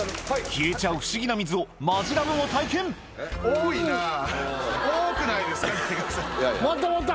消えちゃう不思議な水をマヂラブも体験回った回った！